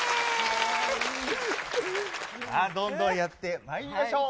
さあ、どんどんやってまいりましょう。